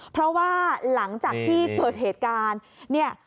เพราะว่าหลังจากที่เกิดเหตุการณ์เนี่ย